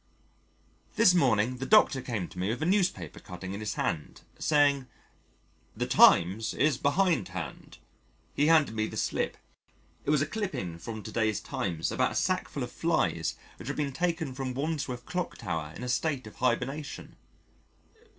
This morning, the Dr. came to me with a newspaper cutting in his hand, saying, "The Times is behindhand." He handed me the slip. It was a clipping from to day's Times about a sackful of flies which had been taken from Wandsworth Clock Tower in a state of hibernation.